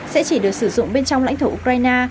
sẽ chỉ được sử dụng bên trong lãnh thổ ukraine